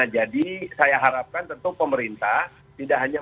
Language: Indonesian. jadi saya harapkan tentu pemerintah tidak hanya melakukan ini tapi juga melakukan ini